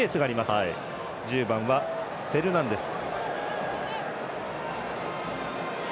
１０番はフェルナンデス。